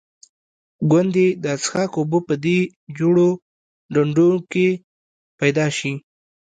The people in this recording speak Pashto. ګوندې د څښاک اوبه په دې جوړو ډنډوکو کې پیدا شي.